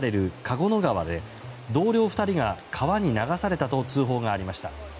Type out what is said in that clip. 合野川で同僚２人が川に流されたと通報がありました。